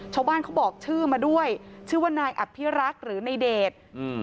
เช้าบ้านเขาบอกชื่อมาด้วยชื่อว่านายอัพพิรักษ์หรือนายเดช